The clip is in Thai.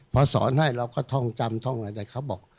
พอสอนให้เราก็ท่องจำท่องอะไรเขาบอก